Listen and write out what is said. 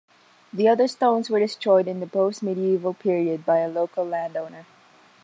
The other stones were destroyed in the post-medieval period by a local landowner.